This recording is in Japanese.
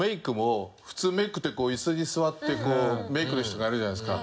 普通メイクって椅子に座ってメイクの人がやるじゃないですか。